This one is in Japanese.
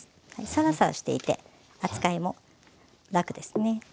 サラサラしていて扱いも楽ですね。